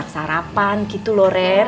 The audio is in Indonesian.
sarapan gitu loh red